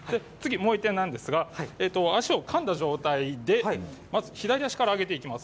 もう１点足をかんだ状態で左足から上げていきます。